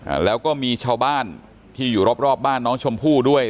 อ่าแล้วก็มีชาวบ้านที่อยู่รอบรอบบ้านน้องชมพู่ด้วย